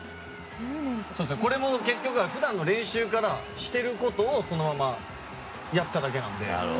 これも結局は普段の練習からしてることをそのままやっただけなので。